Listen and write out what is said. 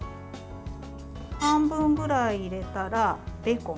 半分ぐらい入れたらベーコン。